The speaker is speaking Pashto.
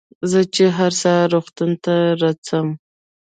زه چې هر سهار روغتون ته رڅم.